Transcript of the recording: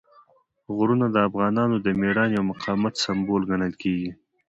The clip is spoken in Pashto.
غرونه د افغانانو د مېړانې او مقاومت سمبول ګڼل کېږي.